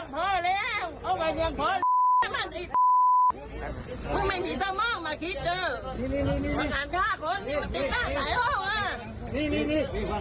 แม่งงี้